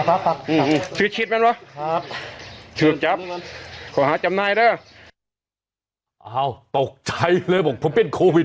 ครับชืบจับขอหาจำนายแล้วอ้าวตกใจเลยบอกผมเป็นโควิด